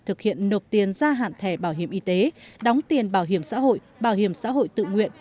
thực hiện nộp tiền gia hạn thẻ bảo hiểm y tế đóng tiền bảo hiểm xã hội bảo hiểm xã hội tự nguyện